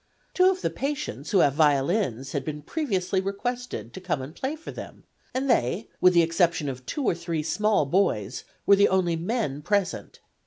Two of the patients who have violins had been previously requested to come and play for them, and they, with the exception of two or three small boys, were the only men present.